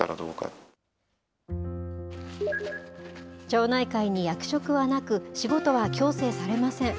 町内会に役職はなく、仕事は強制されません。